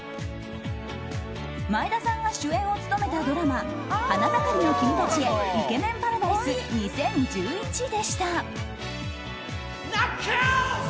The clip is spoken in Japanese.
前田さんが主演を務めたドラマ「花ざかりの君たちへイケメン☆パラダイス中央千里！